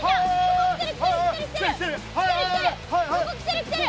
ここ来てる来てる。